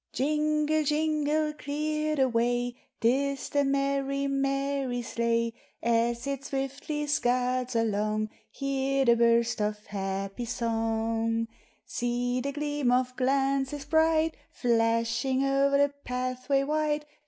Jingle, jingle, clear the way, 'T is the merry, merry sleigh ! As it swiftly scuds along, Hear the burst of happy song; See the gleam of glances bright, Flashing o'er the pathway white!